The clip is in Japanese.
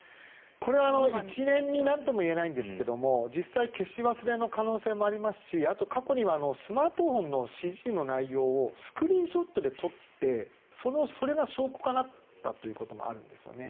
これはなんとも言えないんですが実際消し忘れの可能性もありますし過去にはスマートフォンの指示の内容をスクリーンショットで撮ってそれが証拠になったこともあるんですね。